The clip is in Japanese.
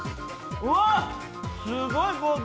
うわっ、すごい高級。